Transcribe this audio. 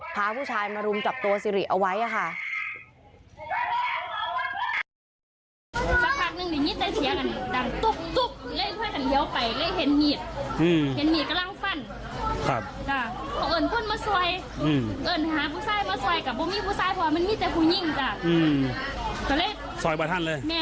พาผู้ชายมารุมจับตัวสิริเอาไว้ค่ะ